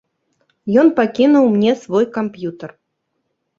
Ён пакінуў мне свой камп'ютар.